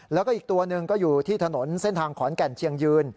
แล้วก็อีกตัวหนึ่งก็อยู่ที่ถนนเส้นทางขอนแก่นเชียงยืน